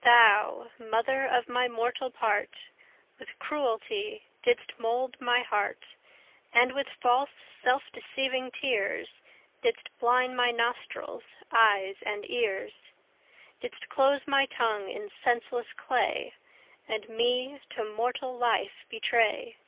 Thou, mother of my mortal part, With cruelty didst mould my heart, And with false self deceiving tears Didst blind my nostrils, eyes, and ears, Didst close my tongue in senseless clay, And me to mortal life betray.